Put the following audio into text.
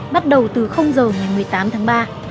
bắt đầu từ giờ ngày một mươi tám tháng ba